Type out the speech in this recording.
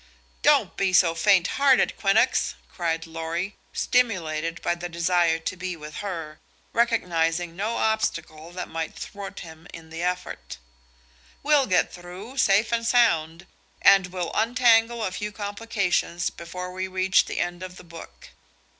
"Don't be so faint hearted, Quinnox!" cried Lorry, stimulated by the desire to be with her, recognizing no obstacle that might thwart him in the effort. "We'll get through, safe and sound, and we'll untangle a few complications before we reach the end of the book.